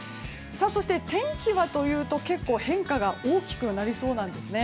そして、天気はというと結構、変化が大きくなりそうなんですね。